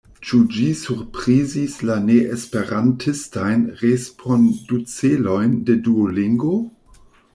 Ĉu ĝi surprizis la neesperantistajn respondeculojn de Duolingo?